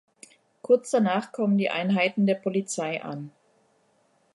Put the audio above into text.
Kurz danach kommen die Einheiten der Polizei an.